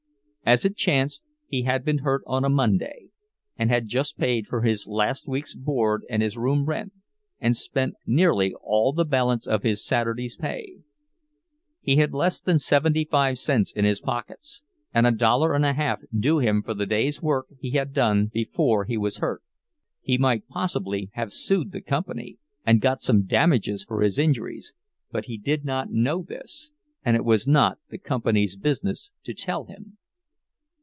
As it chanced, he had been hurt on a Monday, and had just paid for his last week's board and his room rent, and spent nearly all the balance of his Saturday's pay. He had less than seventy five cents in his pockets, and a dollar and a half due him for the day's work he had done before he was hurt. He might possibly have sued the company, and got some damages for his injuries, but he did not know this, and it was not the company's business to tell him.